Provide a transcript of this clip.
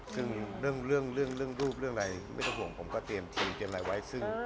ซึ่งเรื่องรูปเรื่องอะไรไม่ต้องห่วงผมก็เตรียมอะไรไว้